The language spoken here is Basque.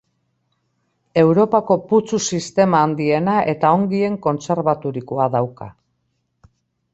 Europako putzu sistema handiena eta ongien kontserbaturikoa dauka.